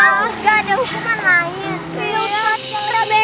nggak ada hukuman lain